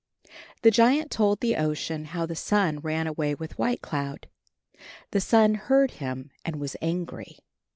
The giant told the Ocean how the Sun ran away with White Cloud. The Sun heard him and was angry.